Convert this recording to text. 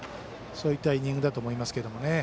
そういったイニングだと思いますけどね。